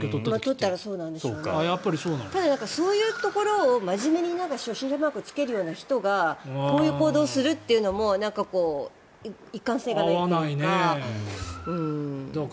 ただ、そういうところを真面目に初心者マークをつけるような人がこういう行動をするというのも一貫性がないというか。